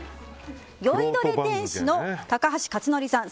「酔いどれ天使」の高橋克典さん